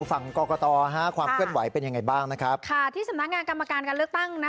ฝั่งกรกตฮะความเคลื่อนไหวเป็นยังไงบ้างนะครับค่ะที่สำนักงานกรรมการการเลือกตั้งนะ